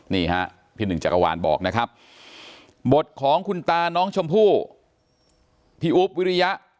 นี่ฮะพี่หนึ่งจักรวาลบอกนะครับบทของคุณตาน้องชมพู่พี่อุ๊บวิริยะ